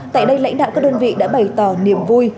tại đây lãnh đạo các đơn vị đã bày tỏ niềm vui